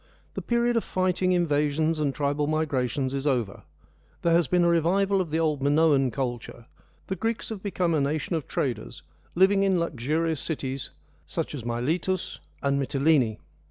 The period of fighting, invasions, and tribal migra tions is over : there has been a revival of the old Minoan culture, the Greeks have become a nation of traders living in luxurious cities, such as Miletus and Mytilene.